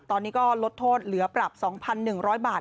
ตอนนี้ก็ลดโทษเหลือปรับ๒๑๐๐บาท